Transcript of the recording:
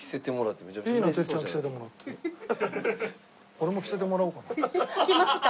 俺も着せてもらおうかな。着ますか？